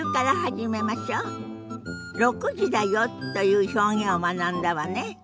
「６時だよ」という表現を学んだわね。